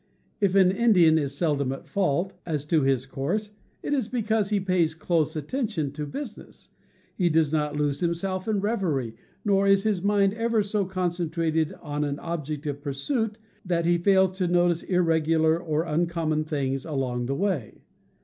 If an Indian is seldom at fault as to his course it is be cause he pays close attention to business; he does not lose himself in reverie, nor is his mind ever so concen trated on an object of pursuit that he fails to notice irregular or uncommon things along the way.